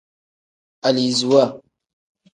Aliziwa.